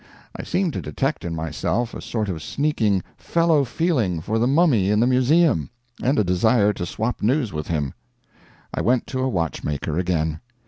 I seemed to detect in myself a sort of sneaking fellow feeling for the mummy in the museum, and a desire to swap news with him. I went to a watchmaker again.